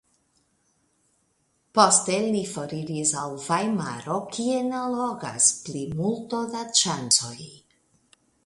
Poste li foriris al Vajmaro kien allogas plimulto da ŝancoj.